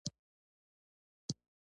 • د انګورو پاڼې د خوړو لپاره هم کارېږي.